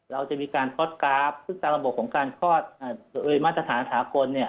เราจะมีการคลอดกราฟซึ่งตามระบบของการคลอดมาตรฐานสากลเนี่ย